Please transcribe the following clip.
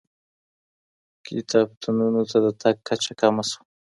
کتابتونونو ته د تګ کچه کمه سوه.